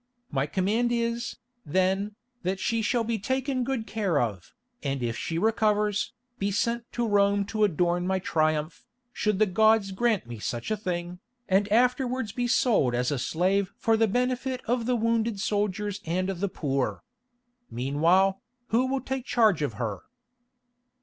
My command is, then, that she shall be taken good care of, and if she recovers, be sent to Rome to adorn my Triumph, should the gods grant me such a thing, and afterwards be sold as a slave for the benefit of the wounded soldiers and the poor. Meanwhile, who will take charge of her?"